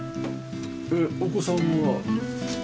お子さんは３人？